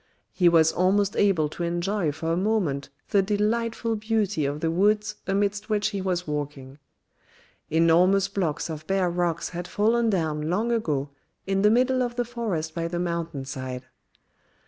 He was almost able to enjoy for a moment the delightful beauty of the woods amidst which he was walking. Enormous blocks of bare rocks had fallen down long ago in the middle of the forest by the mountain side.